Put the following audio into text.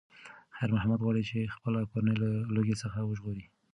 خیر محمد غواړي چې خپله کورنۍ له لوږې څخه وژغوري.